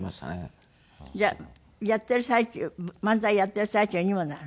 じゃあやっている最中漫才やっている最中にもなる？